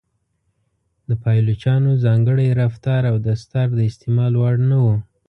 د پایلوچانو ځانګړی رفتار او دستار د استعمال وړ نه و.